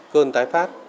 cơn tái phát